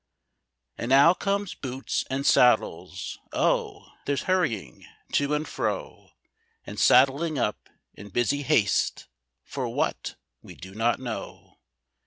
" And now conies ' boots and saddles !' Oh ! there's hurrying to and fro, And saddling up in busy haste — for what, we do not know.